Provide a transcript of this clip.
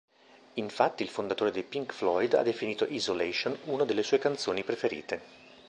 Infatti il fondatore dei Pink Floyd ha definito Isolation una delle sue canzoni preferite.